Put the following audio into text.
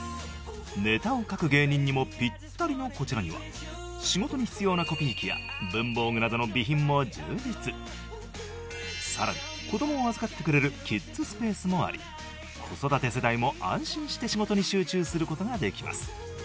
ネタを書く芸人にもピッタリのこちらには仕事に必要なさらに子供を預かってくれるキッズスペースもあり子育て世代も安心して仕事に集中することができます